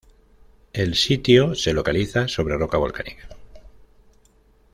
El sitio se localiza sobre roca volcánica.